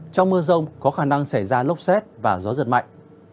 trong mưa rông có khả năng xảy ra lốc xét và gió giật mạnh